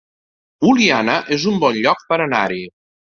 Oliana es un bon lloc per anar-hi